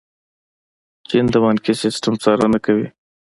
چین د بانکي سیسټم څارنه کوي.